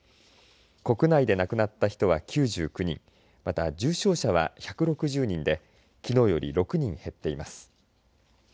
国内で亡くなった人は９９人また、重症者は１６０人できのうより６人減っています。